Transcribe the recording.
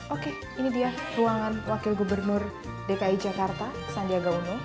oke ini dia ruangan wakil gubernur dki jakarta sandiaga uno